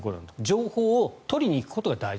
情報を取りに行くこと大事。